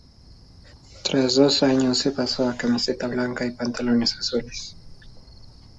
Tras dos años se pasó a camiseta blanca y pantalones azules.